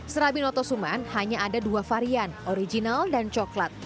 serabi noto suman hanya ada dua varian original dan coklat